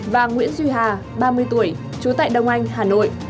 và nguyễn duy hà ba mươi tuổi trú tại đông anh hà nội